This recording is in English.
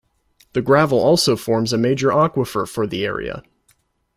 The gravel also forms a major aquifer for the area.